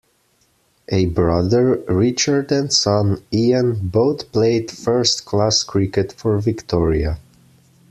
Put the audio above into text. A brother, Richard and son, Ian, both played first-class cricket for Victoria.